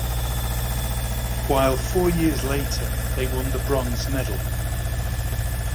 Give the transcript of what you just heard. While four years later they won the bronze medal.